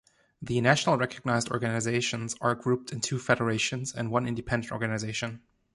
The national recognized organizations are grouped in two federations and one independent organization.